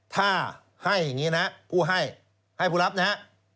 ถ้าให้อย่างนี้นะผู้ให้ให้ผู้รับนะฮะ